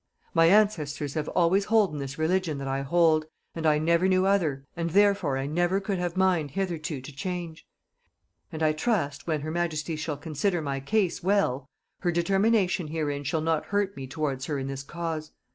My ancestors have always holden this religion that I hold, and I never knew other, and therefore I never could have mind hitherto to change; and I trust, when her majesty shall consider my case well, my determination herein shall not hurt me towards her in this cause.